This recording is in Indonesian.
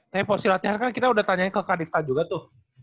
tapi posisi latihan kan kita udah tanyain ke kadif kan juga tuh